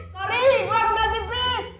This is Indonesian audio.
sorry gue kembali bis